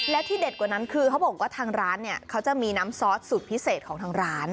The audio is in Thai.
แล้วที่เด็ดกว่านั้นคือเขาบอกว่าทางร้านเนี่ยเขาจะมีน้ำซอสสูตรพิเศษของทางร้าน